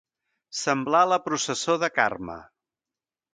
Semblar la processó de Carme.